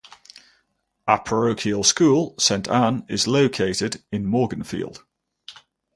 A parochial school, Saint Ann is located in Morganfield.